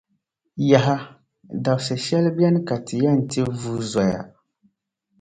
Yaha! Dabsi’ shεli beni ka Ti yɛn ti vuui zoya.